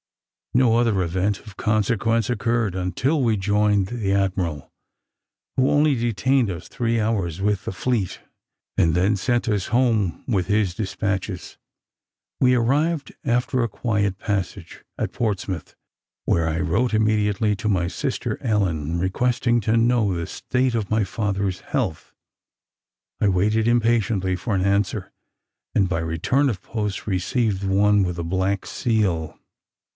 No other event of consequence occurred until we joined the admiral, who only detained us three hours with the fleet, and then sent us home with his despatches. We arrived, after a quiet passage, at Portsmouth, where I wrote immediately to my sister Ellen, requesting to know the state of my father's health. I waited impatiently for an answer, and by return of post received one with a black seal.